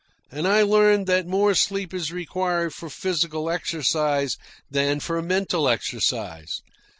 And I learned that more sleep is required for physical exercise than for mental exercise.